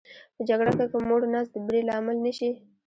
په جګړه کې که موړ نس د بري لامل نه شي.